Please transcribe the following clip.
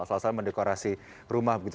salah satu mendekorasi rumah begitu